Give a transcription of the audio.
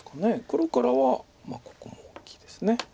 黒からはまあここも大きいです。